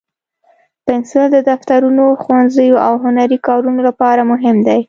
پنسل د دفترونو، ښوونځیو، او هنري کارونو لپاره مهم دی.